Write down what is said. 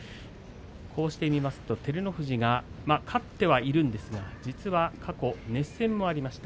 こうして見ますと照ノ富士は勝ってはいるんですが実は過去、熱戦もありました。